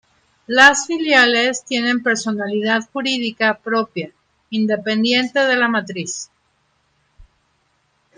Las filiales tienen personalidad jurídica propia, independiente de la matriz.